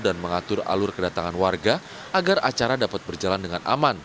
dan mengatur alur kedatangan warga agar acara dapat berjalan dengan aman